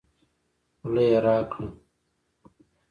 خوله يې راګړه